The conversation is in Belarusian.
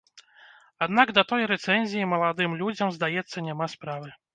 Аднак да той рэцэнзіі маладым людзям, здаецца, няма справы.